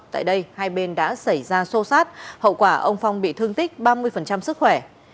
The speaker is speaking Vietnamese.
tại đây hai bên đã xảy ra xô xát hậu quả ông phong bị thương tích ba mươi sức khỏe